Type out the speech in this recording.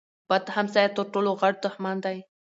بد همسایه تر ټولو غټ دښمن دی.